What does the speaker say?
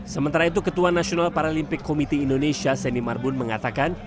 sementara itu ketua nasional paralimpik komite indonesia seni marbun mengatakan